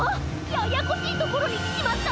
ややこしいところにきちまった！